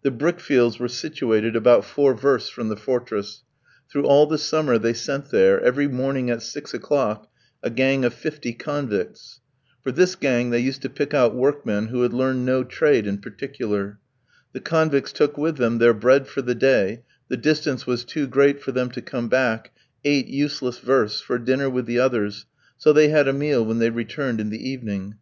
The brick fields were situated about four versts from the fortress; through all the summer they sent there, every morning at six o'clock, a gang of fifty convicts. For this gang they used to pick out workmen who had learned no trade in particular. The convicts took with them their bread for the day, the distance was too great for them to come back, eight useless versts, for dinner with the others, so they had a meal when they returned in the evening.